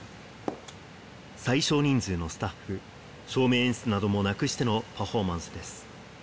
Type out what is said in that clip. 最少人数のスタッフ、照明演出などもなくしてのパフォーマンスです。